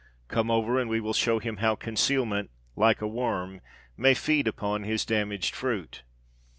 Come over and we will show him how concealment, like a worm, may feed upon his damaged fruit.